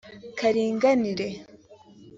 ” Karinganire